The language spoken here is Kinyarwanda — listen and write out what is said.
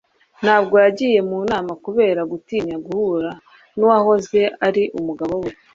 ntabwo yagiye mu nama kubera gutinya guhura n'uwahoze ari umugabo we